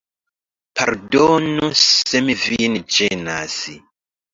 Pardonu se mi vin ĝenas.